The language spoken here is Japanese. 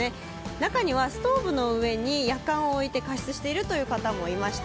中には、ストーブの上にやかんを置いて加湿しているという方もいました。